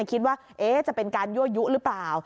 คิดว่าจะเป็นการยั่วยุหรือเปล่า